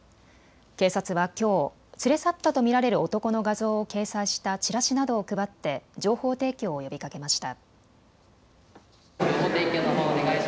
警察はきょう連れ去ったと見られる男の画像を掲載したチラシなどを配って情報提供を呼びかけました。